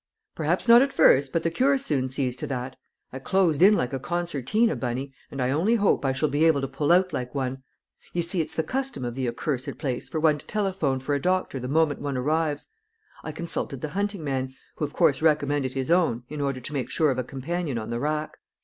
"Perhaps not at first, but the cure soon sees to that! I closed in like a concertina, Bunny, and I only hope I shall be able to pull out like one. You see, it's the custom of the accursed place for one to telephone for a doctor the moment one arrives. I consulted the hunting man, who of course recommended his own in order to make sure of a companion on the rack.